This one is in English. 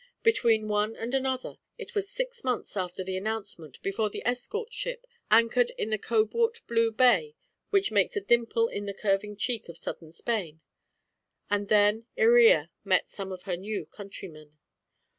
Between one and another, it was six months after the announcement before the escort ship anchored in the cobalt blue bay which makes a dimple in the curving cheek of southern Spain. And then Iría met some of her new countrymen.